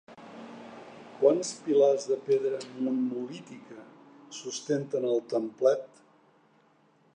Quants pilars de pedra nummulítica sustenten el templet?